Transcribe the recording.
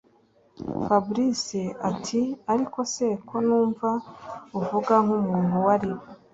Fabric atiariko se ko numva uvuga nkumuntu wari